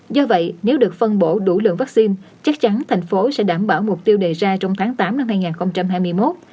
do vậy nếu được phân bổ đủ lượng vaccine chắc chắn thành phố sẽ đảm bảo mục tiêu đề ra trong tháng tám năm hai nghìn hai mươi một